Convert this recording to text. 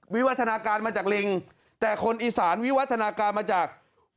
วิวัฒนาการมาจากลิงแต่คนอีสานวิวัฒนาการมาจาก